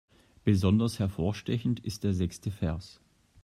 Besonders hervorstechend ist der sechste Vers.